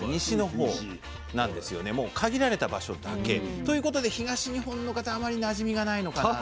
もう限られた場所だけということで東日本の方はあまりなじみがないのかなと。